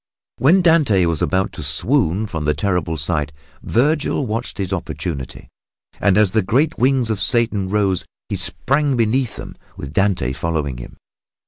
When Dante was about to swoon from the terrible sight, Vergil watched his opportunity, and as the great wings of Satan rose he sprang beneath them, with Dante following him.